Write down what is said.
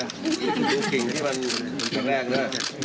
ดูกลิ่นที่มันเป็นทั้งแรกนะ